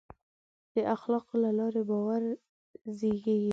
د اخلاقو له لارې باور زېږي.